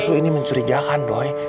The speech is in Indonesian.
susu ini mencurigakan doi